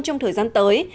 trong thời gian tới